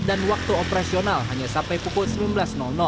dan waktu operasional hanya sampai pukul sembilan belas